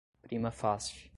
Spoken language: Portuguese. prima facie